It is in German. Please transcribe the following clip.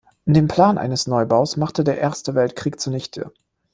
Den Plan eines Neubaus machte der Erste Weltkrieg zunichte.